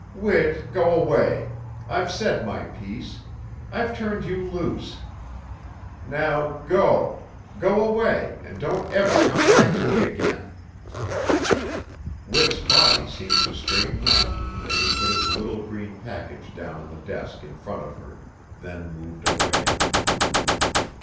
"Whit, go away. I've said my piece. I've turned you loose. Now go! Go away, and don't ever come back to me again." Whit's body seemed to straighten up, and he put his little green package down on the desk in front of her, then moved away.